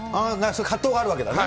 葛藤があるわけだね。